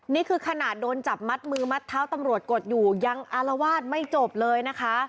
นี่คือขนาดโดนจับมัดมือมัดเท้าตำรวจกดอยู่ยังอารวาสไม่จบเลยนะคะ